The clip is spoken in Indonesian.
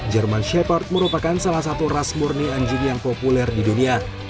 jerman shepherd merupakan salah satu ras murni anjing yang populer di dunia